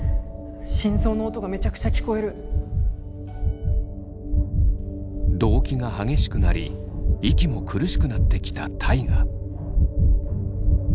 心臓の音がめちゃくちゃ聞こえる動悸が激しくなり息も苦しくなってきた大我。